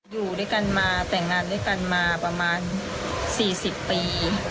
อยู่ด้วยกันมาแต่งงานด้วยกันมาประมาณ๔๐ปี